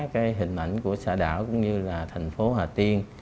xây dựng nhãn hiệu tập thể cho cá bóp tiên hải hà tiên